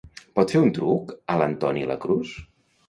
Pots fer un truc a l'Antoni La Cruz?